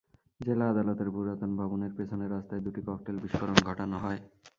জেলা আদালতের পুরাতন ভবনের পেছনের রাস্তায় দুটি ককটেল বিস্ফোরণ ঘটানো হয়।